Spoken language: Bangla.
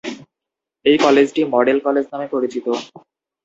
এই কলেজটি "মডেল কলেজ" নামে পরিচিত।